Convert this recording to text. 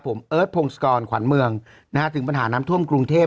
ผมเอิร์ทพงศกรขวัญเมืองถึงปัญหาน้ำท่วมกรุงเทพ